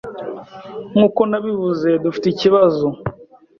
Nkuko nabivuze, dufite ikibazo.